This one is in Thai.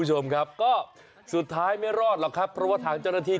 ตรงนั้นเป็นตุ๊กเข้หรือเจ้าละเข้ตุ๊กเข้นี่